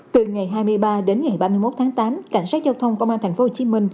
từ ngày hai mươi ba đến ngày ba mươi một tháng tám cảnh sát giao thông công an tp hcm